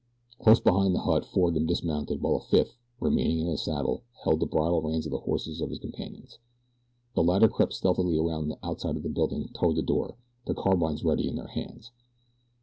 Close behind the hut four of them dismounted while the fifth, remaining in his saddle, held the bridle reins of the horses of his companions. The latter crept stealthily around the outside of the building, toward the door their carbines ready in their hands.